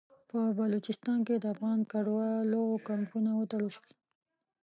په بلوچستان کې د افغان کډوالو کمپونه وتړل شول.